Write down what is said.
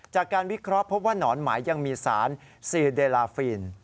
วิเคราะห์พบว่าหนอนหมายยังมีสารซีเดลาฟีน